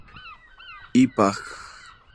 I, pág.